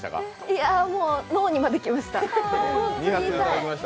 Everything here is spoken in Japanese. いやもう、脳にまできました。